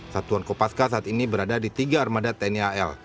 satuan kopaska saat ini berada di tiga armada tni al